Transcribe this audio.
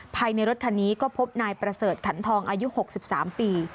ภายในรถคันนี้ก็พบนายประเสริฐขันทองอายุ๖๓ปี